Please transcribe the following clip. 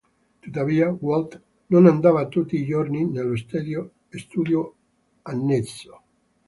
Tuttavia, Walt non andava tutti i giorni nello studio annesso.